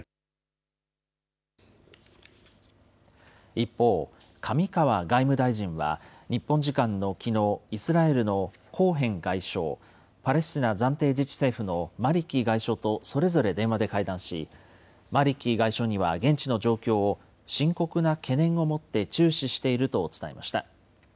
一方、上川外務大臣は、日本時間のきのう、イスラエルのコーヘン外相、パレスチナ暫定自治政府のマリキ外相とそれぞれ電話で会談し、マリキ外相には現地の状況を、深刻な懸念を持って注視していると伝えました。